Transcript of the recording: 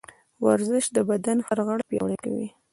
ورزش د بدن هر غړی پیاوړی کوي.